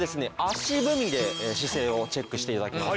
足踏みで姿勢をチェックして頂きます。